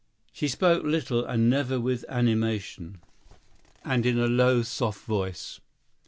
She spoke little and never with animation, and in a low, soft voice.